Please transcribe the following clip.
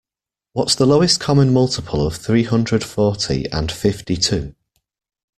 What's the lowest common multiple of three hundred forty and fifty-two?